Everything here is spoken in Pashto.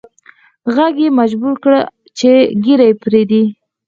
ږغ یې مجبور کړ چې ږیره پریږدي